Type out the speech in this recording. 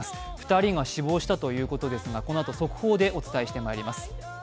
２人が死亡したということですが、このあと速報でお伝えしてまいります。